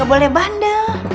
gak boleh bandar